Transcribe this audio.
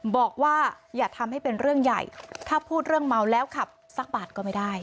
บอกว่าอย่าทำให้เป็นเรื่องใหญ่ถ้าพูดเรื่องเมาแล้วขับสักบาทก็ไม่ได้